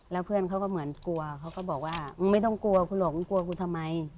แล้วเพื่อนเขาก็เหมือนกลัวเขาก็บอกว่าไม่ต้องกลัวคุณหลอกไม่ต้องกลัวคุณทำไม